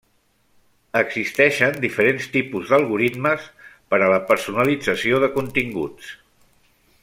Existeixen diferents tipus d'algoritmes per a la personalització de continguts.